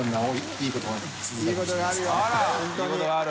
いいことがある。